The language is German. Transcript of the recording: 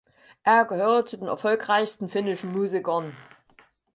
Er gehört zu den erfolgreichsten finnischen Musikern.